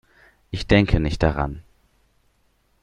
Ich denke nicht daran.